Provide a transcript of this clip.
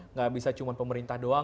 nggak bisa cuma pemerintah doang